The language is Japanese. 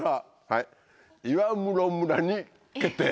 はい岩室村に決定！